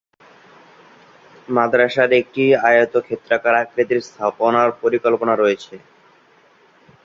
মাদ্রাসার একটি আয়তক্ষেত্রাকার আকৃতির স্থাপনার পরিকল্পনা রয়েছে।